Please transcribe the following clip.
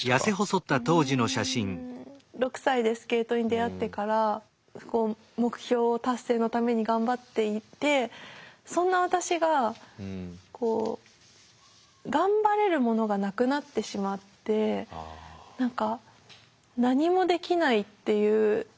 うん６歳でスケートに出会ってから目標を達成のために頑張っていてそんな私が頑張れるものがなくなってしまって何か何もできないっていう